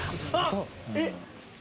・えっ？